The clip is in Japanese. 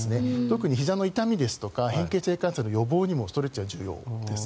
特にひざの痛みですとか変形性関節症の予防にもストレッチは重要です。